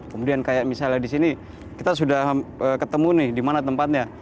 kemudian kayak misalnya di sini kita sudah ketemu nih di mana tempatnya